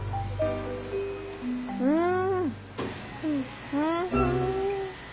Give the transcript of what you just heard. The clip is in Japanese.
うん！